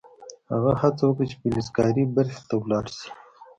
هغه هڅه وکړه چې فلزکاري برخې ته لاړ شي